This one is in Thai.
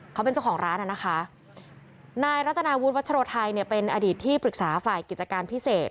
เขาเป็นเจ้าของร้านอ่ะนะคะนายรัตนาวุฒิวัชโรไทยเนี่ยเป็นอดีตที่ปรึกษาฝ่ายกิจการพิเศษ